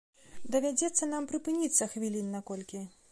Давядзецца нам прыпыніцца хвілін на колькі.